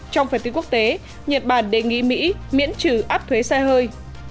trong phần tin quốc tế nhật bản đề nghị mỹ miễn trừ áp thuế xe hơi